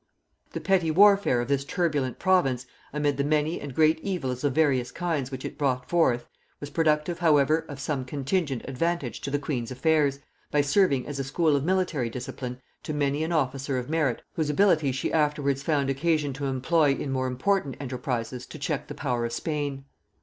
The petty warfare of this turbulent province, amid the many and great evils of various kinds which it brought forth, was productive however of some contingent advantage to the queen's affairs, by serving as a school of military discipline to many an officer of merit whose abilities she afterwards found occasion to employ in more important enterprises to check the power of Spain.